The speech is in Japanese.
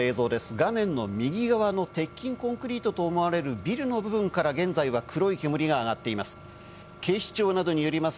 画面の右側の鉄筋コンクリートと思われるビルの部分から現在は黒い煙が上がっています。